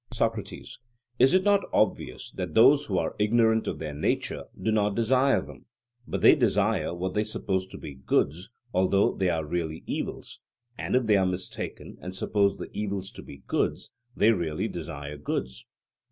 SOCRATES: Is it not obvious that those who are ignorant of their nature do not desire them; but they desire what they suppose to be goods although they are really evils; and if they are mistaken and suppose the evils to be goods they really desire goods?